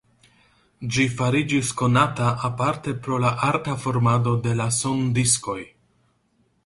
Ĝi fariĝis konata aparte pro la arta formado de la sondiskoj.